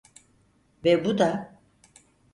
Ve bu da…